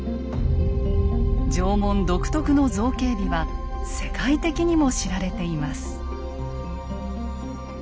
縄文独特の造形美は世界的にも知られています。